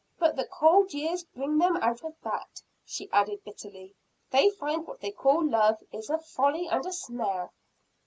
But the cold years bring them out of that!" she added bitterly. "They find what they call love, is a folly and a snare."